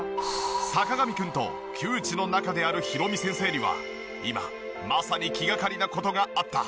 坂上くんと旧知の仲であるヒロミ先生には今まさに気がかりな事があった。